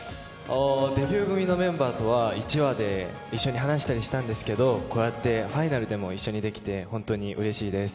デビュー組のメンバーとは、１話で一緒に話したりしたんですけど、こうやってファイナルでも一緒にできて、本当にうれしいです。